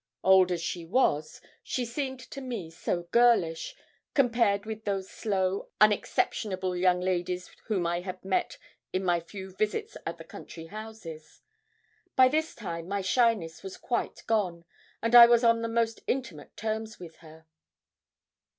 Old as she was, she seemed to me so girlish, compared with those slow, unexceptionable young ladies whom I had met in my few visits at the county houses. By this time my shyness was quite gone, and I was on the most intimate terms with her.